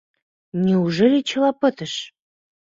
Неужели чыла пытыш?